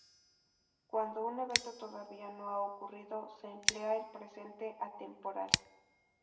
Cuando un evento todavía no ha ocurrido, se emplea el presente atemporal.